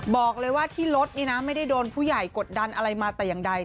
บอกเลยว่าที่รถนี่นะไม่ได้โดนผู้ใหญ่กดดันอะไรมาแต่อย่างใด